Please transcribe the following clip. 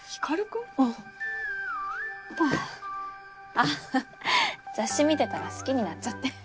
あ雑誌見てたら好きになっちゃって。